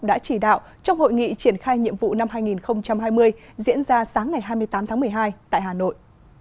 đã chỉ đạo trong hội nghị triển khai nhiệm vụ năm hai nghìn hai mươi diễn ra sáng ngày hai mươi tám tháng một mươi hai tại hà nội